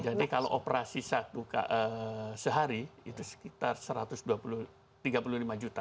jadi kalau operasi sehari itu sekitar satu ratus tiga puluh lima juta